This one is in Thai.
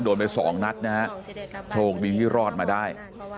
โดนไปสองนัดนะฮะโชคดีที่รอดมาได้